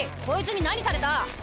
こいつに何された？